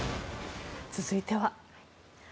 続いては。